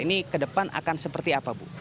ini ke depan akan seperti apa bu